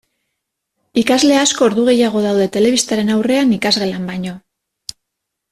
Ikasle asko ordu gehiago daude telebistaren aurrean ikasgelan baino.